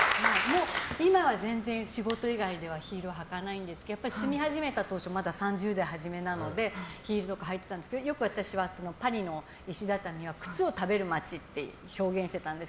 今は全然、仕事以外ではヒールは履かないんですけどやっぱり住み始めた当初はまだ３０代初めなのでヒールとか履いてたんですけどよく私はパリの石畳は靴を食べる街って表現してたんです。